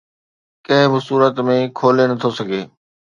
ڪنهن به صورت ۾ کولي نه ٿو سگهي